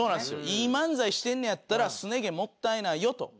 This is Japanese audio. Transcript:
いい漫才してんねやったらすね毛もったいないよと。